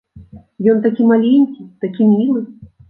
Ён такі маленькі, такі мілы.